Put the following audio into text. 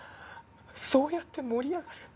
そうやって盛り上がる。